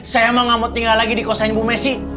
saya mau ngamuk tinggal lagi di kos kosannya bu messi